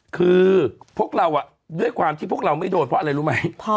คือพวกเราด้วยความที่พวกเราไม่โดนเพราะอะไรรู้ไหม